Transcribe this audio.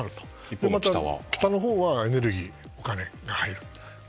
北のほうはエネルギーお金が入る。